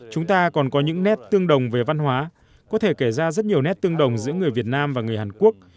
chúng ta còn có những nét tương đồng về văn hóa có thể kể ra rất nhiều nét tương đồng giữa người việt nam và người hàn quốc